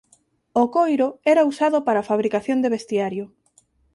O coiro era usado para fabricación de vestiario.